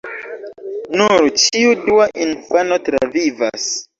Nur ĉiu dua infano travivas.